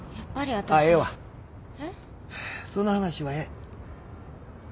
その話はええ。